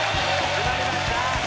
決まりました！